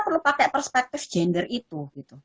perlu pakai perspektif gender itu